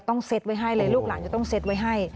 เซ็ตไว้ให้เลยลูกหลานจะต้องเซ็ตไว้ให้